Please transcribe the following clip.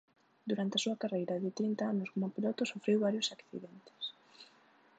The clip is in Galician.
Durante a súa carreira de trinta anos como piloto sufriu varios accidentes.